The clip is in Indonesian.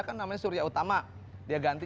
kan namanya surya utama dia ganti